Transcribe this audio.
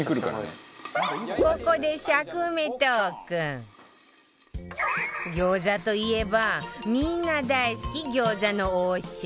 ここで餃子といえばみんな大好き餃子の王将